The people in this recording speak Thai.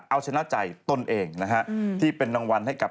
เอาชนะใจตนเองนะครับ